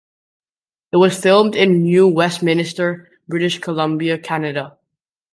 It was filmed in New Westminster, British Columbia, Canada.